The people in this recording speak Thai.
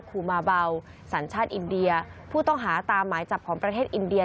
ครูมาเบาสัญชาติอินเดียผู้ต้องหาตามหมายจับของประเทศอินเดีย